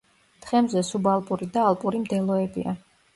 თხემზე სუბალპური და ალპური მდელოებია.